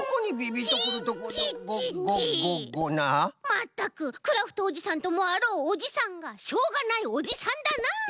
まったくクラフトおじさんともあろうおじさんがしょうがないおじさんだなあ！